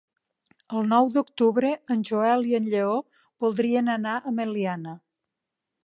El nou d'octubre en Joel i en Lleó voldrien anar a Meliana.